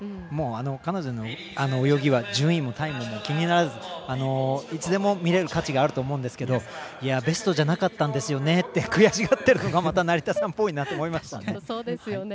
彼女の泳ぎは順位もタイムも気にならずいつでも見れる価値があると思うんですけどベストじゃなかったんですよねって悔しがっているのが成田さんっぽかったですね。